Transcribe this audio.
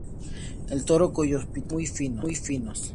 El toro cuyos pitones son muy finos.